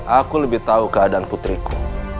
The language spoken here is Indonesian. aku lebih tahu keadaan putriku